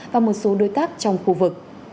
và một số đối tác trong khu vực